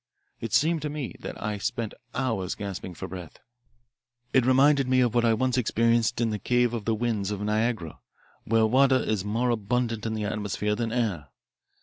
It seemed to me that I spent hours gasping for breath. It reminded me of what I once experienced in the Cave of the Winds of Niagara, where water is more abundant in the atmosphere than air.